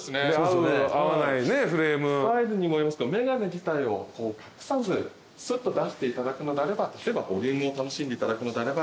スタイルにもよりますけど眼鏡自体を隠さずスッと出していただくのであれば例えばボリュームを楽しんでいただくのであれば。